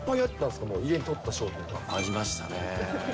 ありましたね。